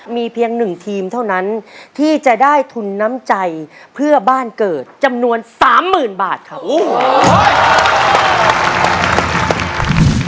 มีเพียงหนึ่งทีมเท่านั้นที่จะได้ทุนน้ำใจเพื่อบ้านเกิดจำนวน๓๐๐๐บาทครับ